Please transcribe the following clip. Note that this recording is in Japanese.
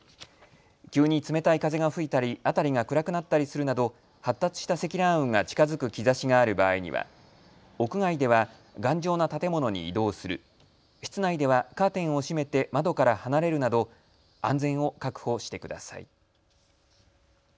急に冷たい風が吹いたり、辺りが暗くなったりするなど発達した積乱雲が近づく兆しがある場合には屋外では頑丈な建物に移動する室内ではカーテンを閉めて窓から離れるなど安全を確保してください。